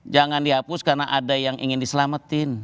jangan dihapus karena ada yang ingin diselamatin